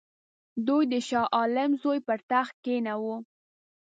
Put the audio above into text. دوی د شاه عالم زوی پر تخت کښېناوه.